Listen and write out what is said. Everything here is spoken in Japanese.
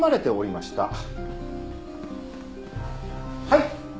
はい。